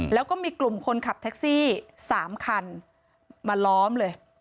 แล้วก็มีกลุ่มคนขับแท็กซี่๓คันมาล้อมเลย